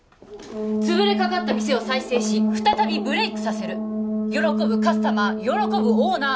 つぶれかかった店を再生し再びブレイクさせる喜ぶカスタマー喜ぶオーナー